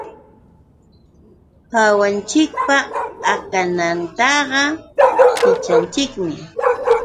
Uwihanchikpa akantaqa pichananchikmi.